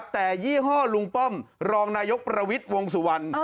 แต่ยี่ห้อลุงป้อมรองนายกประวิทย์วงสุวรรณ